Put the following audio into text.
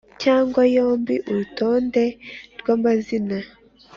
cyangwa yombi Uru rutonde rw amazina